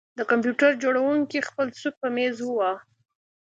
د کمپیوټر جوړونکي خپل سوک په میز وواهه